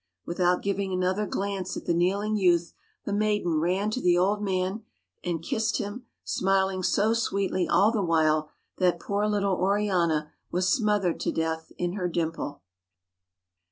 Without giving another glance at the kneeling youth, the maiden ran to the old man, and kissed him, smiling so sweetly all the while that poor little Oriana was smothered to death in her dimple.